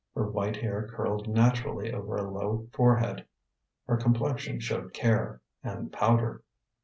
Her white hair curled naturally over a low forehead. Her complexion showed care and powder.